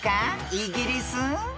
イギリス？］